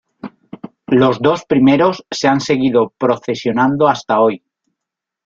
Los dos primeros se han seguido procesionando hasta hoy.